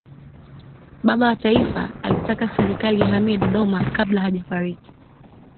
baba wa taifa alitaka serikali ihamie dodoma kabla hajafariki